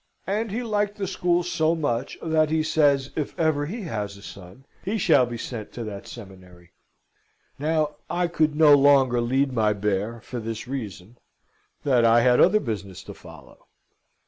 And he liked the school so much, that he says, if ever he has a son, he shall be sent to that seminary. Now, I could no longer lead my bear, for this reason, that I had other business to follow.